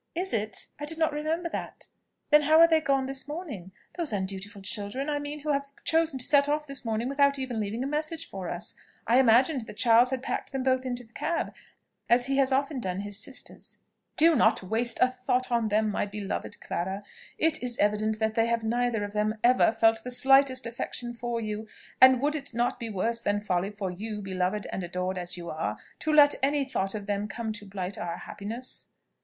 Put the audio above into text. "Is it? I did not remember that. Then how are they gone this morning? those undutiful children, I mean, who have chosen to set off this morning without even leaving a message for us. I imagined that Charles had packed them both into the cab, as he has often done his sisters." "Do not waste a thought on them, my beloved Clara! It is evident that they have neither of them ever felt the slightest affection for you; and would it not be worse than folly for you, beloved and adored as you are, to let any thought of them come to blight our happiness?"